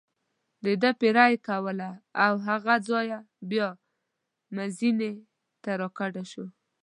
دده پیره یې کوله، له هغه ځایه بیا مزینې ته را کډه شو.